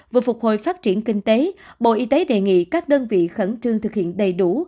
vừa phục hồi phát triển kinh tế bộ y tế đề nghị các đơn vị khẩn trương thực hiện đầy đủ